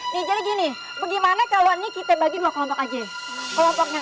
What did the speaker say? nih jadi gini bagaimana kalau ini kita bagi dua kelompok aja kelompoknya